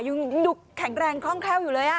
อยู่แข็งแรงคร่องคร่าวอยู่เลย